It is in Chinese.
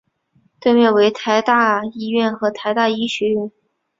对面为台大医院与台大医学院。